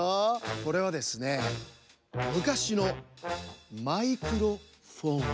これはですねむかしのマイクロフォン。